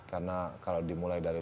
karena kalau dimulai dari